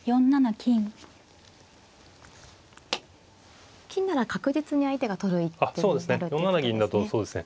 金なら確実に相手が取る一手になるっていうことですね。